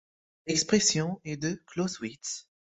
L'expression est de Clausewitz.